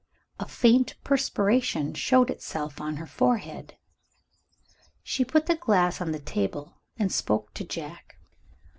A faint perspiration showed itself on her forehead. She put the glass on the table, and spoke to Jack.